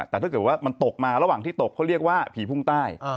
แต่ถ้าเกิดว่ามันตกมาระหว่างที่ตกเขาเรียกว่าผีพุ่งใต้